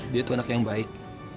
dia tuh anak yang baik